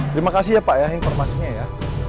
terima kasih ya pak ya informasinya ya